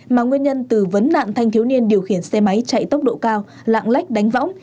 mà nguyên nhân từ vấn nạn thanh thiếu niên điều khiển xe máy chạy tốc độ cao lạng lách đánh võng